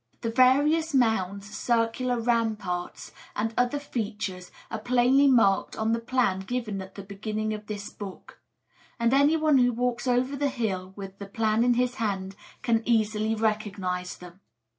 The various mounds, circular ramparts, and other features are plainly marked on the plan given at the beginning of this book; and anyone who walks over the hill with the plan in his hand can easily recognise them.